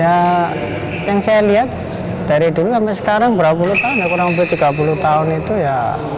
ya yang saya lihat dari dulu sampai sekarang berapa puluh tahun ya kurang lebih tiga puluh tahun itu ya